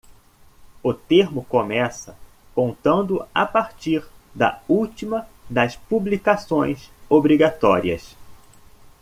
O termo começa contando a partir da última das publicações obrigatórias.